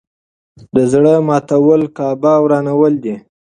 د زړه ماتول کعبه ورانول دي.